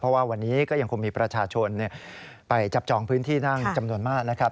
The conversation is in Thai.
เพราะว่าวันนี้ก็ยังคงมีประชาชนไปจับจองพื้นที่นั่งจำนวนมากนะครับ